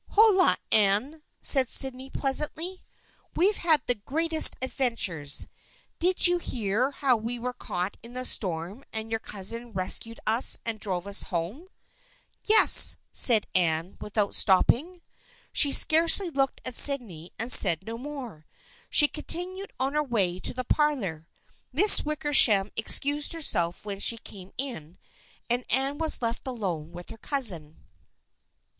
" Holloa, Anne !" said Sydney pleasantly. " We've had the greatest adventures. Did you hear how we were caught in the storm and your cousin rescued us and drove us home ?"" Yes," said Anne, without stopping. She scarcely looked at Sydney and said no more. She continued on her way to the parlor. Miss Wicker sham excused herself when she came in and Anne was left alone with her cousin.